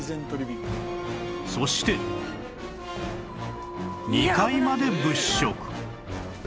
そして２階まで物色